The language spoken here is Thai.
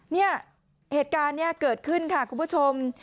เนี่ยเหตุการณ์นี้เกิดขึ้นค่ะคุณผู้ชม